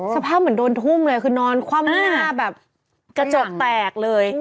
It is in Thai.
สภาพเหมือนโดนทุ่มเลยคือนอนคว่ำหน้าแบบกระจกแตกเลย